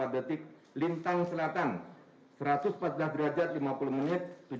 tujuh puluh empat detik lintang selatan satu ratus empat belas derajat lima puluh menit